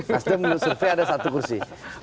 nasdem menurut survei ada satu kursi